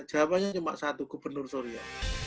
jawabannya cuma satu gubernur surya